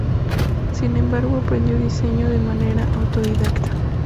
Sin embargo, aprendió Diseño de manera auto-didacta.